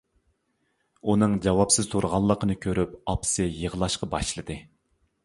ئۇنىڭ جاۋابسىز تۇرغانلىقىنى كۆرۈپ ئاپىسى يىغلاشقا باشلىدى.